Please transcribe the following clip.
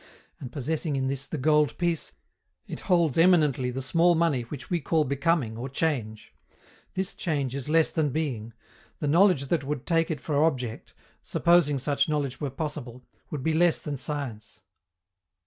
And possessing in this the gold piece, it holds eminently the small money which we call becoming or change. This change is less than being. The knowledge that would take it for object, supposing such knowledge were possible, would be less than science.